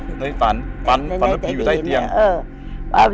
ในฝันฝันน่ะพี่อยู่ใต้เตียง